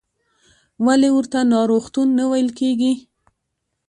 ولې ورته ناروغتون نه ویل کېږي؟